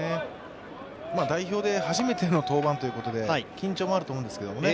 代表で初めての登板ということで、緊張もあると思うんですけどね